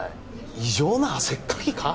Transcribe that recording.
異常な汗っかきか？